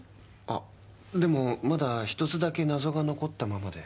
あでもまだ１つだけ謎が残ったままで。